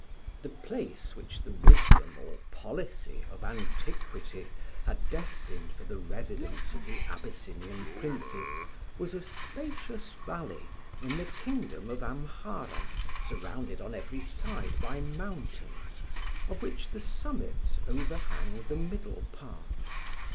The place which the wisdom or policy of antiquity had destined for the residence of the Abyssinian princes was a spacious valley in the kingdom of Amhara, surrounded on every side by mountains, of which the summits overhang the middle part.